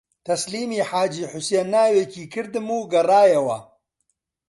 تەسلیمی حاجی حوسێن ناوێکی کردم و گەڕایەوە